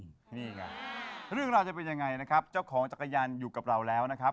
นี่ไงเรื่องราวจะเป็นยังไงนะครับเจ้าของจักรยานอยู่กับเราแล้วนะครับ